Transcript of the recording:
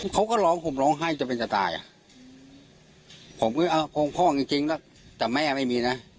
เขาก็ร้องผมร้องไห้จะเป็นจะตายผมพ่อจริงแล้วแต่แม่ไม่มีนะ